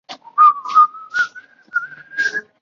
甘基当镇为缅甸伊洛瓦底省勃生县的行政区。